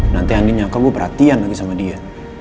nanti andi nyaka gue perhatian lagi sama dia